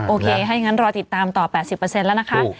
โอเคถ้าอย่างนั้นรอติดตามต่อ๘๐แล้วนะคะ